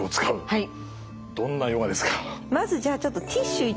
はい。